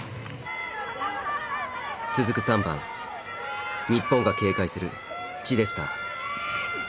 続く３番日本が警戒するチデスター。